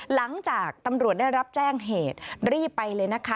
หลังจากตำรวจได้รับแจ้งเหตุรีบไปเลยนะคะ